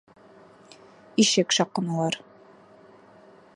Ишек шаҡынылар.